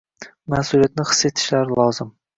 mas’uliyatni his etishlari lozim.